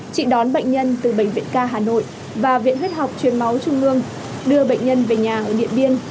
chị đón bệnh nhân từ bệnh viện ca hà nội và viện huyết học chuyên máu trung ương đưa bệnh nhân về nhà ở điện biên